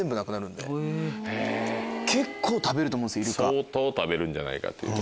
相当食べるんじゃないかっていうことでね。